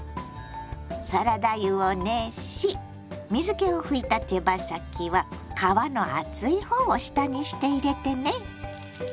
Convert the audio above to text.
サラダ油を熱し水けを拭いた手羽先は皮の厚いほうを下にして入れてね。